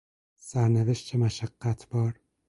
سرنوشت مشقتبار